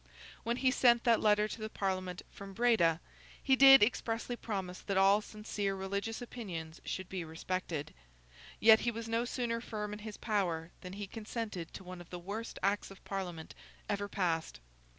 When he sent that letter to the Parliament, from Breda, he did expressly promise that all sincere religious opinions should be respected. Yet he was no sooner firm in his power than he consented to one of the worst Acts of Parliament ever passed.